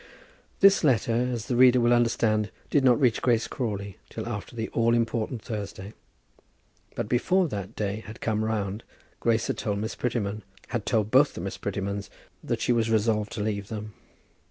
This letter, as the reader will understand, did not reach Grace Crawley till after the all important Thursday; but before that day had come round, Grace had told Miss Prettyman, had told both the Miss Prettymans that she was resolved to leave them.